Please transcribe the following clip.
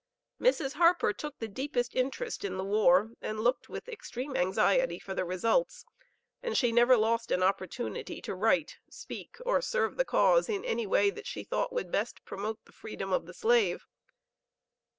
Mrs. Harper took the deepest interest in the war, and looked with extreme anxiety for the results; and she never lost an opportunity to write, speak, or serve the cause in any way that she thought would best promote the freedom of the slave.